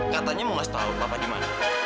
katanya mau kasih tahu papa di mana